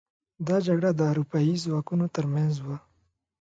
دا جګړه د اروپايي ځواکونو تر منځ وه.